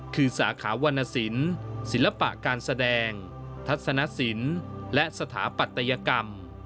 คือสาขาวรรณสินศิลปะการแสดงทัศนสินและสถาปัตยกรรม